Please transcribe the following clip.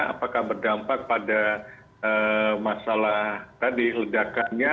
apakah berdampak pada masalah tadi ledakannya